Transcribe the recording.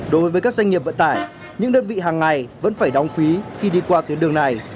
đối với các doanh nghiệp vận tải những đơn vị hàng ngày vẫn phải đóng phí khi đi qua tuyến đường này